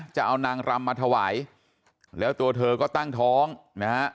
จะเอานางรำมาถวายแล้วตัวเธอก็ตั้งท้องนะฮะ